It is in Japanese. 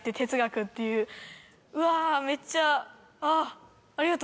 うわめっちゃ。あ。